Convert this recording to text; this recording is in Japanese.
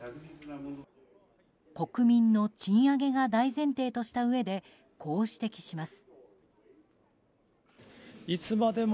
国民の賃上げが大前提としたうえでこう指摘します。